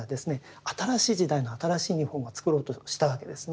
新しい時代の新しい日本画を作ろうとしたわけですね。